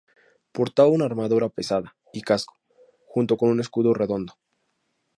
Portaba una armadura pesada y casco, junto con un escudo redondo.